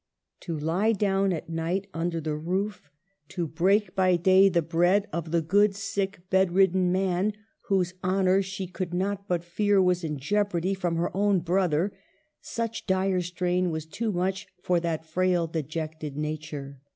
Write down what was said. To lie down at night under the roof, to break BRANWELVS FALL. 157 by day the bread of the good, sick, bedridden man, whose honor, she could not but fear, was in jeopardy from her own brother, such dire strain was too great for that frail, dejected na ture.